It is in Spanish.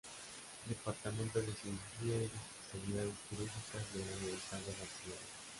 Departamento de Cirugía y Especialidades Quirúrgicas de la Universidad de Barcelona.